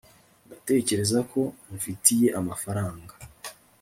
ndatekereza ko umfitiye amafaranga